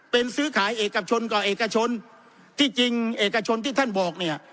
เป็นซื้อขายเอกชนต่อเอกชนที่จริงเอกชนที่ท่านบอกเนี่ย